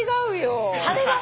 羽が。